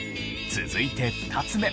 続いて２つ目。